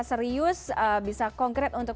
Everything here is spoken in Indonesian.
serius bisa konkret untuk